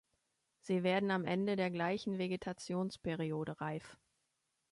Sie werden am Ende der gleichen Vegetationsperiode reif.